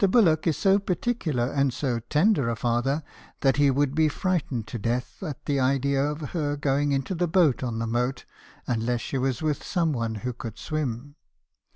Bullock is so particular, and so tender a father, that he would be frightened to death at the idea of her going into the boat on the moat unless she was with some one who could swim.